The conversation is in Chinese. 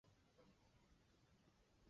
玩家可以选择手动或者自动换挡。